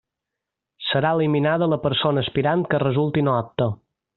Serà eliminada la persona aspirant que resulti no apta.